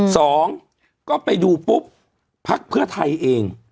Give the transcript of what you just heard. สองก็ไปดูปุ๊บพักเพื่อไทยเอง